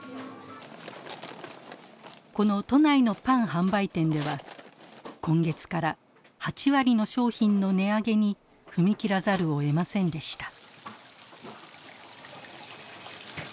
この都内のパン販売店では今月から８割の商品の値上げに踏み切らざるをえませんでした。